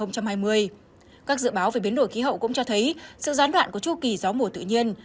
các dự báo về biến đổi khí hậu cũng cho thấy sự gián đoạn của chu kỳ gió mùa tự nhiên